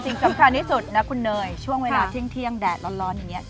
ในคุณเฮยช่วงเวลาเที่ยงแดดร้อนอย่างนี้